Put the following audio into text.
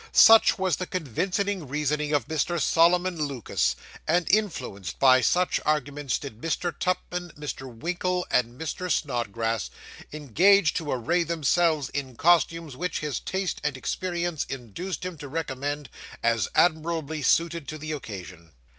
Such was the convincing reasoning of Mr. Solomon Lucas; and influenced by such arguments did Mr. Tupman, Mr. Winkle, and Mr. Snodgrass engage to array themselves in costumes which his taste and experience induced him to recommend as admirably suited to the occasion.